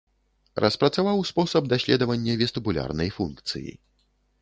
Распрацаваў спосаб даследавання вестыбулярнай функцыі.